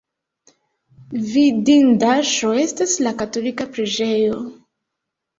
Vidindaĵo estas la katolika preĝejo.